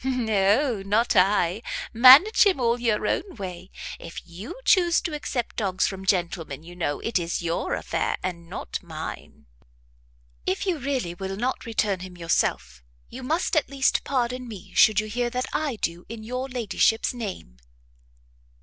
"No, not I! manage him all your own way; if you chuse to accept dogs from gentlemen, you know, it is your affair, and not mine." "If you really will not return him yourself, you must at least pardon me should you hear that I do in your ladyship's name."